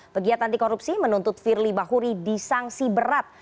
pegiat anti korupsi menuntut firly bahuri disangsi berat